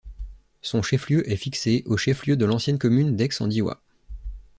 Son chef-lieu est fixé au chef-lieu de l'ancienne commune d'Aix-en-Diois.